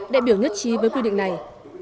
đại biểu nhất trí với quy định này